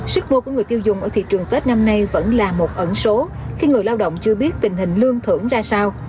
sức mua của người tiêu dùng ở thị trường tết năm nay vẫn là một ẩn số khi người lao động chưa biết tình hình lương thưởng ra sao